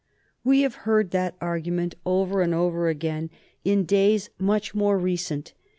We have heard that argument over and over again in days much more recent.